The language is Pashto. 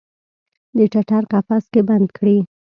د ټټر قفس کې بند کړي